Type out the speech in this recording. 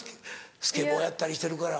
スケボーやったりしてるから。